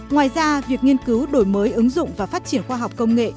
ngoài ra việc nghiên cứu đổi mới ứng dụng và phát triển khoa học công nghệ